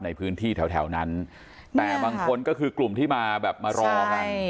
ในพื้นที่แถวนั้นแต่บางคนก็คือกลุ่มที่มาแบบมารอกัน